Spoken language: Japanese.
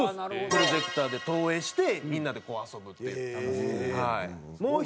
プロジェクターで投影してみんなでこう遊ぶという。